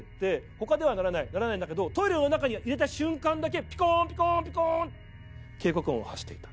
他では鳴らない鳴らないんだけどトイレの中に入れた瞬間だけピコーンピコーンピコーン警告音を発していた。